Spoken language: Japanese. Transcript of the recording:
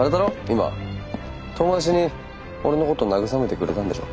今遠回しに俺のこと慰めてくれたんでしょ？